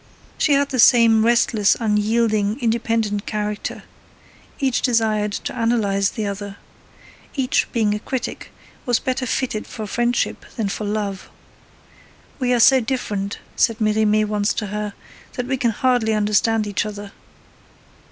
She had the same restless, unyielding, independent character. Each desired to analyse the other. Each, being a critic, was better fitted for friendship than for love. 'We are so different,' said Merimee once to her, 'that we can hardly understand each other.'